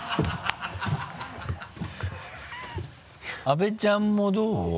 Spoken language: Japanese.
阿部ちゃんもどう？